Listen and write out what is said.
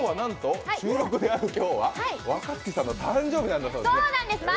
収録である今日は、若槻さんの誕生日なんだそうですね。